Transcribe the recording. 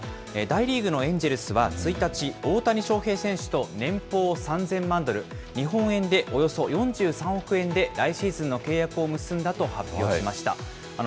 大リーグのエンジェルスは、１日、大谷翔平選手と年俸３０００万ドル、日本円でおよそ４３億円で来シーズンの契約を結んだと発表しました。